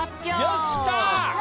よしきた！